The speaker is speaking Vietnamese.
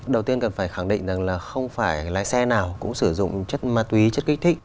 đầu tiên cần phải khẳng định rằng là không phải lái xe nào cũng sử dụng chất ma túy chất kích thích